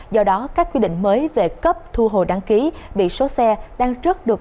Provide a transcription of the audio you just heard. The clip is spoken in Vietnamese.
do đó các quy định mới về cấp thu hồ đăng ký bị số xe đang rất được